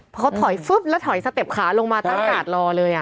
พอเขาถอยฟึ๊บแล้วถอยสเต็ปขาลงมาตั้งกาดรอเลย